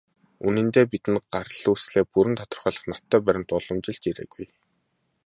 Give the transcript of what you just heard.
Үнэндээ, бидэнд гарал үүслээ бүрэн тодорхойлох ноттой баримт уламжилж ирээгүй.